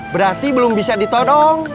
berarti belum bisa ditodong